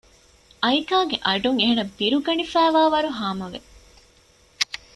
އައިކާގެ އަޑުން އޭނާ ބިރުގަނެފައިވާވަރު ހާމަވެ